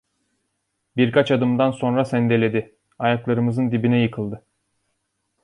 Birkaç adımdan sonra sendeledi, ayaklarımızın dibine yıkıldı.